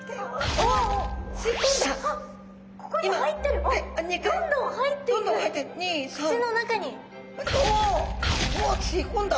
おっ！お吸い込んだ。